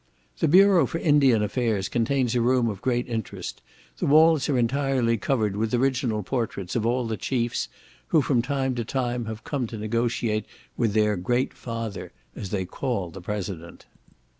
The bureau for Indian affairs contains a room of great interest: the walls are entirely covered with original portraits of all the chiefs who, from time to time, have come to negotiate with their great father, as they call the President.